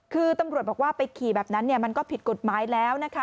คือตำรวจบอกว่าไปขี่แบบนั้นมันก็ผิดกฎหมายแล้วนะคะ